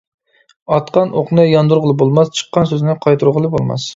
ئاتقان ئوقنى ياندۇرغىلى بولماس، چىققان سۆزنى قايتۇرغىلى بولماس.